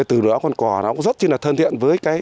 từ đó con cò nó cũng rất là thân thiện